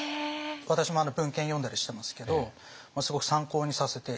私も文献読んだりしてますけどすごく参考にさせて頂いてますね。